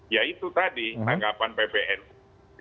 ya itu tadi tanggapan pbnu